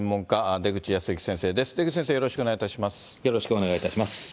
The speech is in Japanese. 出口先生、よろしくお願いいたします。